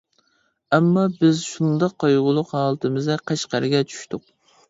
ئەمما بىز شۇنداق قايغۇلۇق ھالىتىمىزدە قەشقەرگە چۈشتۇق.